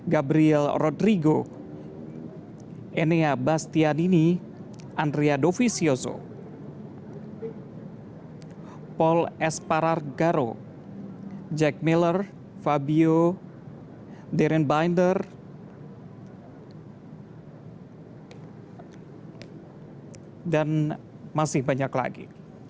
garo jack miller fabio darren binder dan masih banyak lagi